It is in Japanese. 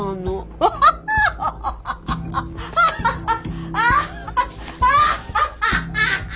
アハハハ！